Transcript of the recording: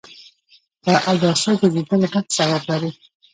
په اوداسه ګرځیدل غټ ثواب لري